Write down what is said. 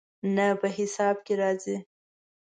نه، په حساب کې راځي